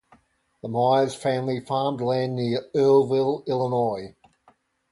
The Myers family farmed land near Earlville, Illinois.